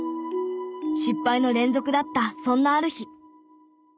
失敗の連続だったそんなある日。